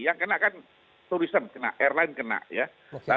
yang kena kan turisme kena airline kena perusahaan